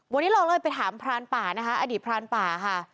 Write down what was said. วันนี้เราเลยไปถามพรานป่านะคะอดีตพรานป่าค่ะ